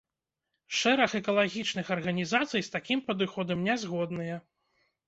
Шэраг экалагічных арганізацый з такім падыходам не згодныя.